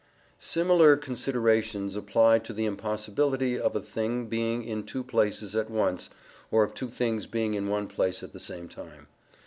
Similar considerations apply to the impossibility of a thing being in two places at once, or of two things being in one place at the same time.